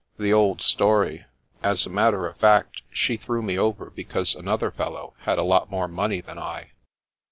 The old story. As a matter of fact, she threw me over because another fellow had a lot more money than I."